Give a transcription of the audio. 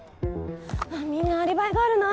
みんなアリバイがあるな。